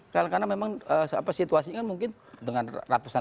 karena memang situasi kan mungkin dengan ratusan